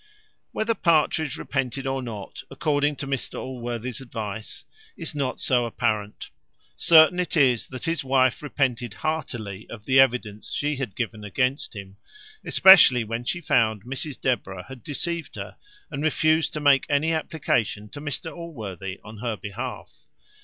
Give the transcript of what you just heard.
Whether Partridge repented or not, according to Mr Allworthy's advice, is not so apparent. Certain it is that his wife repented heartily of the evidence she had given against him: especially when she found Mrs Deborah had deceived her, and refused to make any application to Mr Allworthy on her behalf.